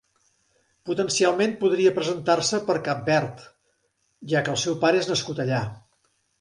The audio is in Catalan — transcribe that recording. Potencialment podria presentar-se per a Cap Verd ja que el seu pare és nascut allà.